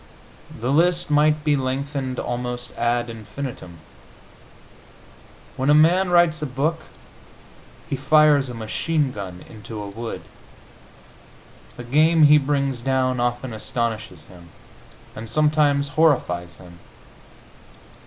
The list might be lengthened almost ad infinitum. When a man writes a book he fires a machine gun into a wood. The game he brings down often astonishes him, and sometimes horrifies him.